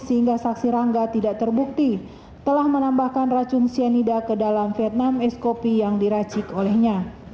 sehingga saksi rangga tidak terbukti telah menambahkan racun cyanida ke dalam vietnam ice copy yang diracik olehnya